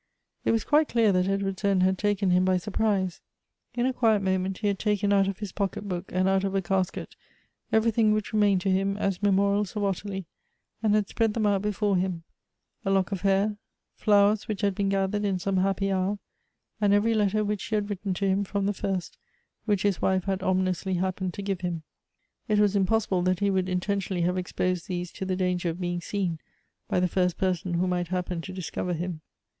It was quite clear that Edward's end 3iad taken him by; surprise^ In a quiet moment he had taken out of his pocket book and out of a casket everything which remained to him as memorials of Ottilie, and had spread them out before him ; a lock of hair ; flowers which had been gathered in some happy hour, and every letter which she hail written to him from the first, which his wife had ominously happened to give him. It was im ])ossible that lie would intentionally have exposed these to the danger of being seen, by the first person who might happen to discover him.